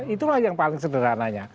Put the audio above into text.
itulah yang paling sederhananya